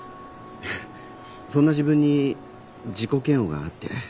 そんな自分に自己嫌悪があって。